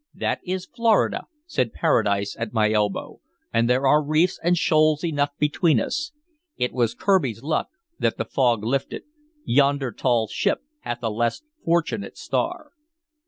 "That is Florida," said Paradise at my elbow, "and there are reefs and shoals enough between us. It was Kirby's luck that the fog lifted. Yonder tall ship hath a less fortunate star."